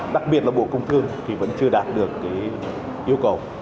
đặc biệt là bộ công thương thì vẫn chưa đạt được cái yêu cầu